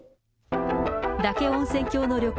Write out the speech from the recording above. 嶽温泉郷の旅館